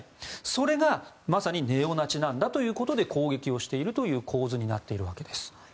それが、まさにネオナチなんだということで攻撃をしているという構図になっているわけです。